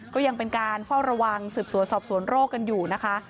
ก็ยังเป็นการเฝ้าระวังสืบสวนสอบสวนโรคกันอยู่นะคะ